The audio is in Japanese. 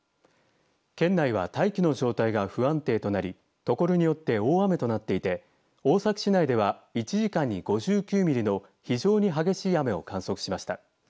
県内は大気の状態が不安定となりところによって大雨となっていて大崎市内では１時間に５９ミリの非常に激しい雨を観測しました。